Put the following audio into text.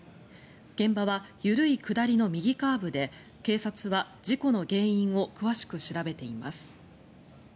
現場は緩い下りの右カーブで警察は事故の原因を詳しく調べています。